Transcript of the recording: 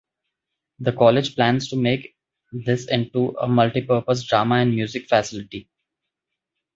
The college plans to make this into a multi purpose drama and music facility.